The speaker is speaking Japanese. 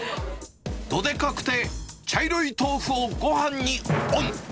どでかくて茶色い豆腐をごはんにオン。